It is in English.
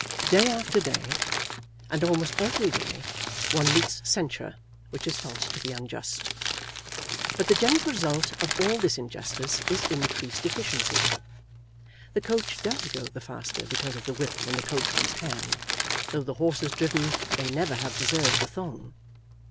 Day after day, and almost every day, one meets censure which is felt to be unjust; but the general result of all this injustice is increased efficiency. The coach does go the faster because of the whip in the coachman's hand, though the horses driven may never have deserved the thong.